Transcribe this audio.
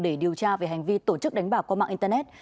để điều tra về hành vi tổ chức đánh bạc qua mạng internet